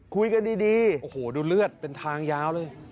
คุยกันดีโอ้โหดูเลือดเป็นทางยาวเลย